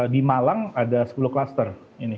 di malang ada sepuluh kluster